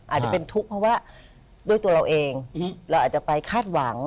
อาจจะเป็นทุกข์เพราะว่าด้วยตัวเราเองเราอาจจะไปคาดหวัง